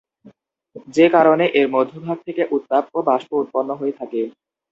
যে কারণে এর মধ্যভাগ থেকে উত্তাপ ও বাষ্প উৎপন্ন হয়ে থাকে।